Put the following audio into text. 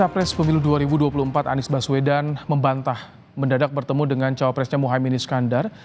capres pemilu dua ribu dua puluh empat anies baswedan membantah mendadak bertemu dengan cawapresnya muhaymin iskandar